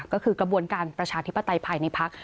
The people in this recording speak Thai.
ก็คือกระบวนการประชาธิปไตยภายในพัก